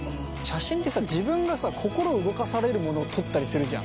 写真ってさ自分が心を動かされるものを撮ったりするじゃん。